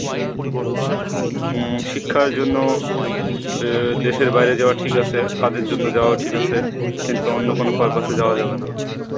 কিন্তু উচ্চতর শিক্ষার জন্য জাপান ও জার্মানি যান।